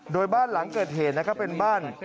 โดยบ้านหลังเกิดเหตุเป็นบ้าน